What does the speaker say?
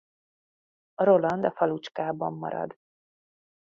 Roland a falucskában marad.